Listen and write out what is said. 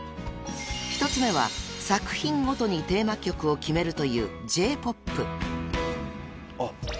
［１つ目は作品ごとにテーマ曲を決めるという］